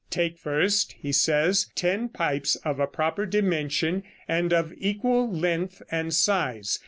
"Take first," he says, "ten pipes of a proper dimension and of equal length and size.